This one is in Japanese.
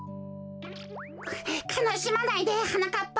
かなしまないではなかっぱ。